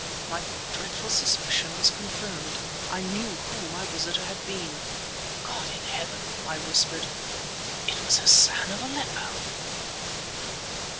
My dreadful suspicion was confirmed. I knew who my visitor had been. "God in heaven!" I whispered. "It was Hassan of Aleppo!"